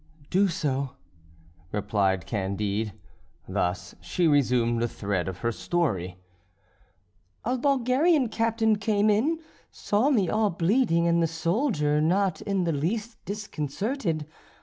"Do so," replied Candide. Thus she resumed the thread of her story: "A Bulgarian captain came in, saw me all bleeding, and the soldier not in the least disconcerted.